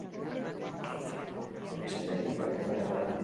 Erizainari baimena eman al diozu?